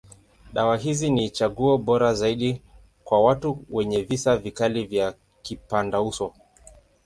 Dawa hizi ni chaguo bora zaidi kwa watu wenye visa vikali ya kipandauso.